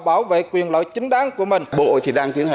bảo vệ quyền lợi chính đáng của mình